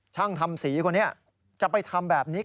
ช่างทำศรีคนนี้